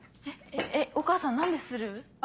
えっお母さん何でスルー？